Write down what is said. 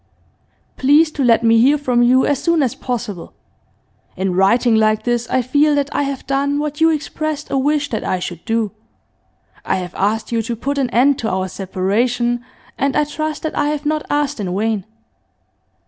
'Please to let me hear from you as soon as possible. In writing like this I feel that I have done what you expressed a wish that I should do. I have asked you to put an end to our separation, and I trust that I have not asked in vain.